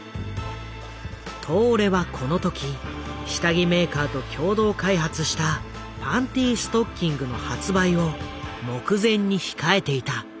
東レはこの時下着メーカーと共同開発したパンティストッキングの発売を目前に控えていた。